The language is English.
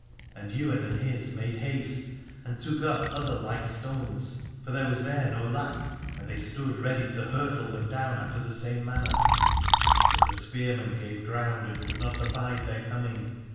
And Ywain and his made haste and took up other like stones, for there was there no lack, and they stood ready to hurtle them down after the same manner: but the spearmen gave ground and would not abide their coming.